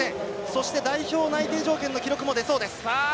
そして代表内定条件の記録も出そうです。